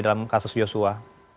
dalam kasus joshua